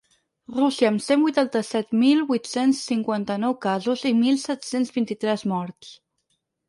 Rússia, amb cent vuitanta-set mil vuit-cents cinquanta-nou casos i mil set-cents vint-i-tres morts.